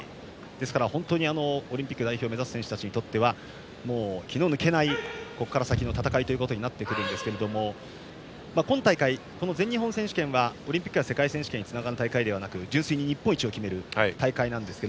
ですから、本当にオリンピック代表を目指す選手たちにとってはもう、気の抜けないここから先の戦いですが今大会、全日本選手権はオリンピックや世界選手権につながる大会ではなく純粋に日本一を決める大会ですが。